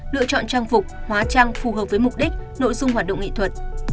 lựa chọn trang phục hóa trang phù hợp với mục đích nội dung hoạt động nghệ thuật